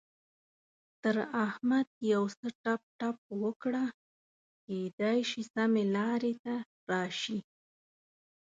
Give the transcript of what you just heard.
تر احمد يو څه ټپ ټپ وکړه؛ کېدای شي سمې لارې ته راشي.